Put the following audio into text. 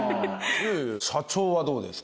社長はどうですか？